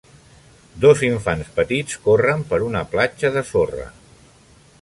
Dos infants petits corrent per una platja de sorra.